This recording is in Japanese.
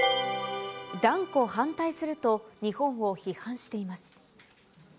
断固反対すると、日本を批判しています。